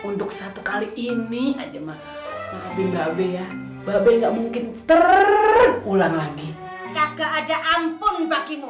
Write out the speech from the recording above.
untuk satu kali ini aja makasih babe ya babe nggak mungkin terulang lagi kagak ada ampun bagimu